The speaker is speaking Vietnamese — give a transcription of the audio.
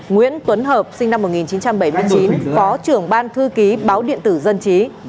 nguyễn tuấn hợp sinh năm một nghìn chín trăm bảy mươi chín phó trưởng ban thư ký báo điện tử dân trí